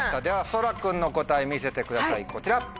ではそら君の答え見せてくださいこちら！